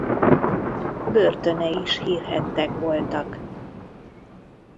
Börtönei is hírhedtek voltak.